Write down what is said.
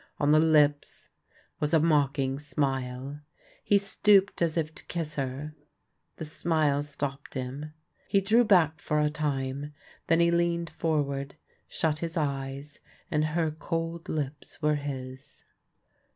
On the lips was a mocking smile. He stooped as if to kiss her. The smile stopped him. He drew back for a time, then he leaned forward, shut his eyes, and her cold lips w^ere his.